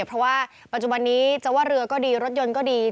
เพราะว่าปัจจุบันนี้จะว่าเรือก็ดีรถยนต์ก็ดี